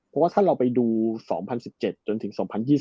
เพราะว่าถ้าเราไปดู๒๐๑๗จนถึง๒๐๒๐